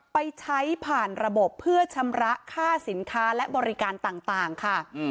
ไปใช้ผ่านระบบเพื่อชำระค่าสินค้าและบริการต่างค่ะ